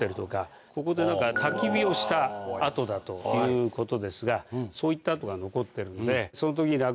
ここでたき火をした跡だということですがそういった跡が残ってるので。